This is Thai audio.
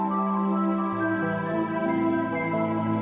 ฉันจะไม่ลืม